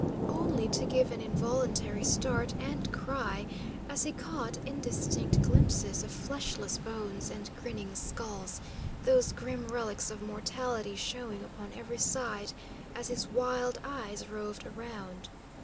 Only to give an involuntary start and cry as he caught indistinct glimpses of fleshless bones and grinning skulls, those grim relics of mortality showing upon every side as his wild eyes roved around.